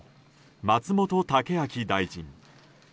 松本剛明大臣。